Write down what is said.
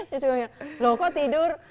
dia cuma bilang loh kok tidur